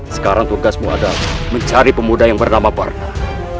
sekarang tugasmu adalah mencari pemuda yang bernama partner